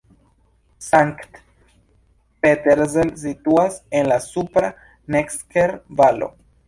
Sankt-Peterzell situas en la supra Necker-Valo.